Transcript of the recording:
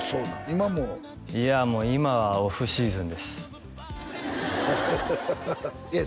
今もいや今はオフシーズンですいや